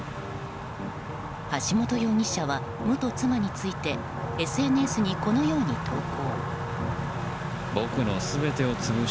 橋本容疑者は、元妻についてＳＮＳにこのように投稿。